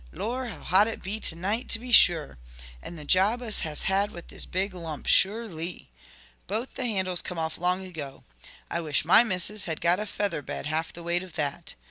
"Lor, how hot it be to night to be sure! And the job us has had with this big lump sure*ly*! Both the handles come off long ago. I wish my missus had got a featherbed half the weight of that.